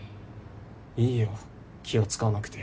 いいよ気を使わなくて。